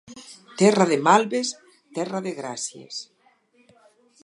Terra de malves, terra de gràcies.